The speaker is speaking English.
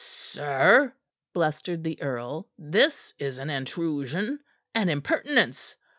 "Sir," blustered the earl, "this is an intrusion; an impertinence.